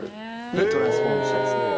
トランスフォームしたいですね。